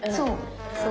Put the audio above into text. そう。